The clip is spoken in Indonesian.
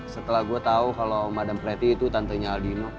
setelah gue tau kalau madam preti itu tantenya aldino